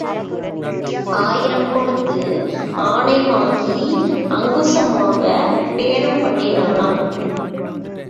ஆயிரம் கொடுத்து ஆனை வாங்கி அங்குசம் வாங்கப் பேரம் பண்ணினானாம்.